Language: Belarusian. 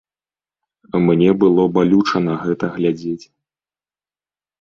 Мне было балюча на гэта глядзець.